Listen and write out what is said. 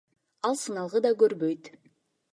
Ал сыналгы да көрбөйт.